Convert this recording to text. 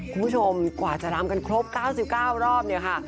คุณผู้ชมกว่าจะรำกันครบ๙๙รอบเนี่ยค่ะ